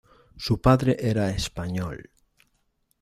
Su padre era español.